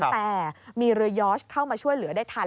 แต่มีเรือยอร์ชเข้ามาช่วยเหลือได้ทัน